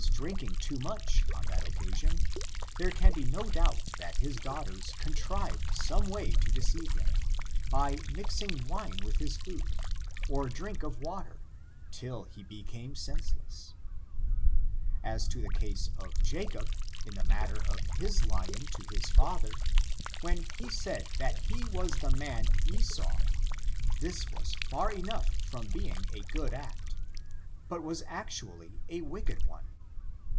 p^^l^ I 184 ORIGIN, CHARACT£B| AKD drinking too much on that occasion, there can be 00 doubt but his daughters contrived some way to de ceive him, by mixing wine with his food, or drink of water, till he became senseless* As to the case of Jacob, in the matter of his lying to his father, when he said that he was the man £^011, this was far enough from being a good act, but was actually a wicked one.